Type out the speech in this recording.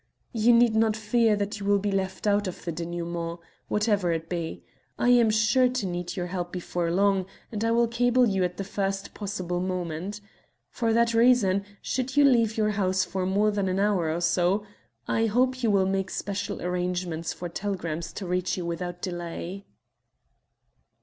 "You need not fear that you will be left out of the denouement, whatever it be. I am sure to need your help before long, and I will cable you at the first possible moment. For that reason, should you leave your house for more than hour or so, I hope you will make special arrangements for telegrams to reach you without delay."